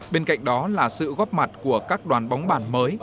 bên cạnh đó là sự góp mặt của các đoàn bóng bàn mới